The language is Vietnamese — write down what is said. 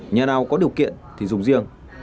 nhà nào có điều kiện thì dùng riêng